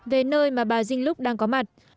về nơi mà bà dinh lúc xuất cảnh